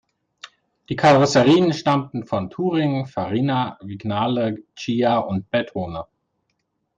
Die Karosserien stammten von Touring, Farina, Vignale, Ghia und Bertone.